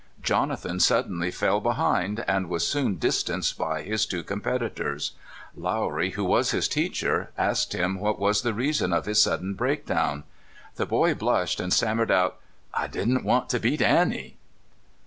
Jonathan suddenly fell behind, and was soon distanced by his two competitors. Lowry, who was his teacher, asked him what was the rea son of his sudden breakdown. The boy blushed, and stammered out: " I didn't want to beat An nie."